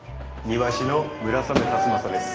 庭師の村雨辰剛です。